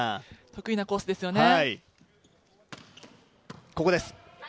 得意なコースですよね。